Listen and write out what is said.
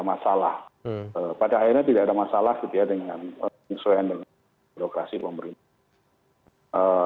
tidak ada masalah pada akhirnya tidak ada masalah dengan insuensi dengan demokrasi pemerintah